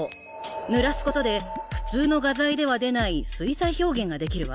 ぬらすことで普通の画材では出ない水彩表現ができるわ。